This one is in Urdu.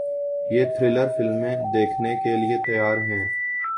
یہ تھرلر فلمیں دیکھنے کے لیے تیار ہیں